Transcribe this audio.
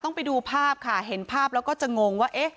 ไปดูภาพค่ะเห็นภาพแล้วก็จะงงว่าเอ๊ะ